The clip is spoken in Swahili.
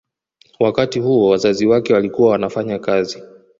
Wakati huo wazazi wake walikuwa wanafanya kazi